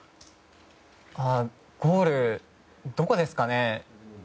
ゴール、どこですかね？